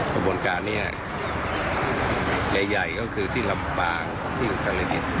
กระบวนการนี้ใหญ่ก็คือที่ลำปางที่อุตรดิษฐ์